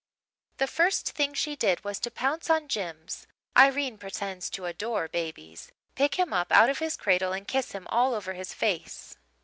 "The first thing she did was to pounce on Jims Irene pretends to adore babies pick him out of his cradle and kiss him all over his face.